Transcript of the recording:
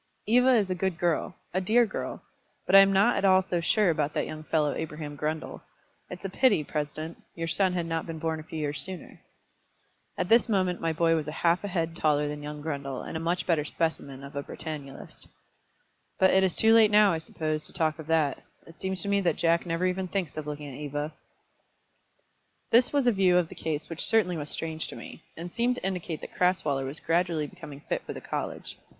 "Eva is a good girl, a dear girl. But I am not at all so sure about that young fellow Abraham Grundle. It's a pity, President, your son had not been born a few years sooner." At this moment my boy was half a head taller than young Grundle, and a much better specimen of a Britannulist. "But it is too late now, I suppose, to talk of that. It seems to me that Jack never even thinks of looking at Eva." This was a view of the case which certainly was strange to me, and seemed to indicate that Crasweller was gradually becoming fit for the college.